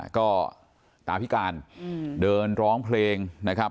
ก็ตาพิการเดินร้องเพลงนะครับ